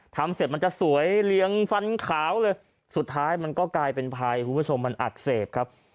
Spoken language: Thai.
ทำเสร็จมันจะสวยเลี้ยงฟันขาวเลยสุดท้ายมันก็กลายเป็นภัยคุณผู้ชมมันอักเสบครับ